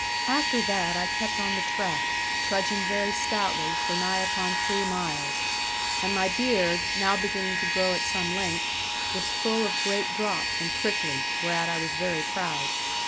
After that I kept on the track, trudging very stoutly, for nigh upon three miles, and my beard (now beginning to grow at some length) was full of great drops and prickly, whereat I was very proud.